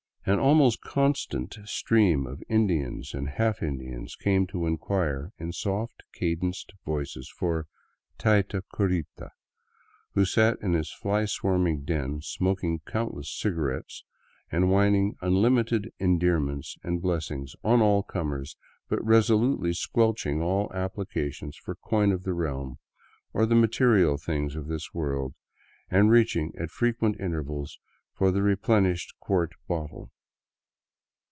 An almost constant stream of Indians and half Indians came to inquire in soft cadenced voices for '' tayta curita," who sat in his fly swarming den smoking countless cigarettes and whining tmlimited endearments and blessings on all comers, but resolutely squelching all applications for coin of the realm or the material things of this world, and reaching at frequent intervals for the replenished quart bottle.